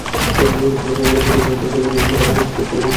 নির্দিষ্ট সময়ের মধ্যে প্রতিপক্ষের খেলোয়াড়কে কামড় দিয়ে স্কোর বেশি করা যাবে।